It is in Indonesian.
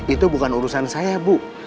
itu bukan urusan saya bu